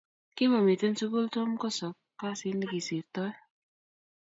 Kimamiten sugul Tom kosok kasi negisirtoi